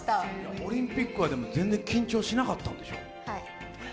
オリンピックは全然緊張しなかったんでしょう？